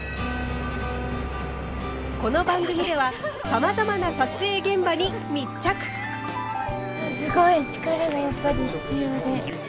この番組ではさまざまなすごい力がやっぱり必要で。